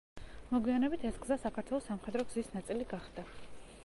მოგვიანებით ეს გზა საქართველოს სამხედრო გზის ნაწილი გახდა.